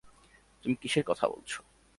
তুমি কীসের কথা বলছ?